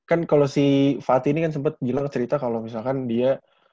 guys kan kalo si fatih ini kan sempet bilang cerita kalo misalkan dia